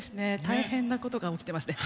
大変なことが起きてますね。